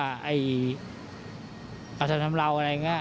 พี่เขาจะมารับตัวแฟนเขา